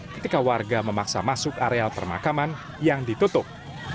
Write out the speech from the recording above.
ketika warga memaksa masuk areal permakaman yang ditutup